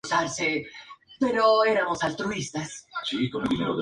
Es un buen ejemplo del estilo "barco" por sus formas curvas.